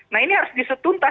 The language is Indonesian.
nah ini harus diusut tuntas